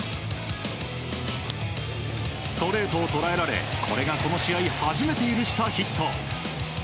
ストレートを捉えられ、これがこの試合初めて許したヒット。